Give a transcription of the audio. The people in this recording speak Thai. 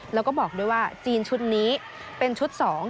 แล้วก็บอกด้วยว่าจีนชุดนี้เป็นชุด๒